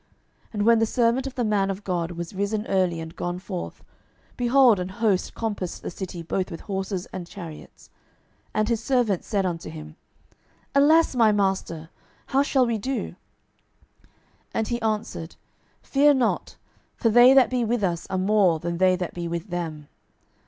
12:006:015 And when the servant of the man of God was risen early, and gone forth, behold, an host compassed the city both with horses and chariots. And his servant said unto him, Alas, my master! how shall we do? 12:006:016 And he answered, Fear not: for they that be with us are more than they that be with them.